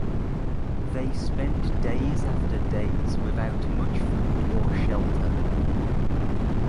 They spent days after days without much food or shelter.